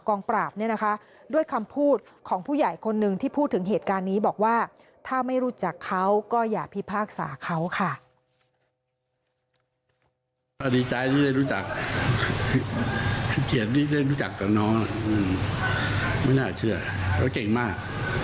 ถ้าดีใจที่ได้รู้จักที่เกลียดที่ได้รู้จักกับน้องไม่น่าเชื่อเขาเก่งมาก